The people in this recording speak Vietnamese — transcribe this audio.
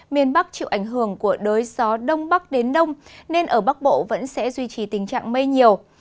miền bắc chịu ảnh hưởng của đới gió đông bắc đến đông nên ở bắc bộ vẫn sẽ duy trì tình trạng mây nhiều